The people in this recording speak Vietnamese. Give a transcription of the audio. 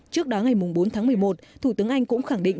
trước đó ngày bốn tháng một mươi một thủ tướng anh cũng khẳng định